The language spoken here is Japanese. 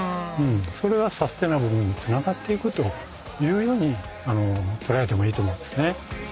それがサスティナブルにつながっていくというように捉えてもいいと思うんですね。